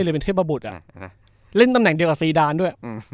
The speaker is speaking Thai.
เล่นตำแหน่งเดียวกับซีดานด้วย